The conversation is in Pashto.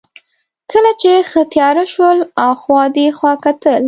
کله چې ښه تېاره شول، اخوا دېخوا کتل.